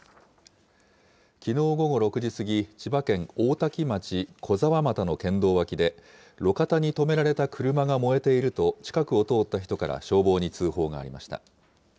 きのう午後６時過ぎ、千葉県大多喜町小沢又の県道脇で、路肩に止められた車が燃えていると近くを通った人から消防に通報がありました。